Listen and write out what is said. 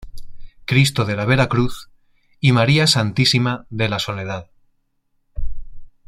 Cristo de la Vera Cruz y María Santísima de la Soledad"'.